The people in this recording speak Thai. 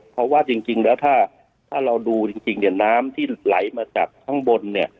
เพราะว่าจริงแล้วถ้าเราดูจริงเนี่ยน้ำที่ไหลมาจากข้างบนเนี่ย